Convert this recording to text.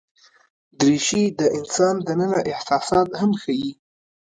دریشي د انسان دننه احساسات هم ښيي.